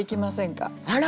あら！